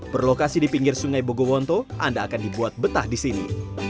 berlokasi di pinggir sungai bogowonto anda akan dibuat betah di sini